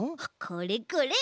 これこれ。